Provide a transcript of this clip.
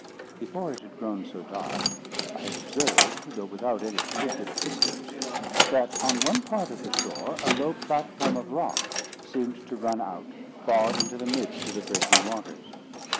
Before it had grown so dark, I had observed, though without any particular interest, that on one part of the shore a low platform of rock seemed to run out far into the midst of the breaking waters.